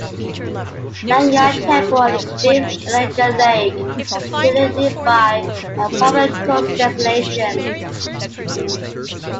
Langya temple and the Deep Elegant Lake, located nearby, are popular tourist destinations.